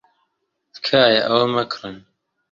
تکایە ئەوە مەکڕن.